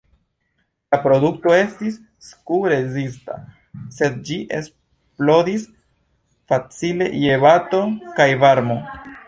La produkto estis sku-rezista, sed ĝi eksplodis facile je bato kaj varmo.